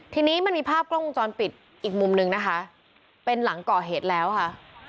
ทีนี้มันมีภาพกล้องวงจรปิดอีกมุมนึงนะคะเป็นหลังก่อเหตุแล้วค่ะ